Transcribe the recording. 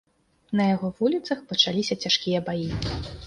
На яго вуліцах пачаліся цяжкія баі.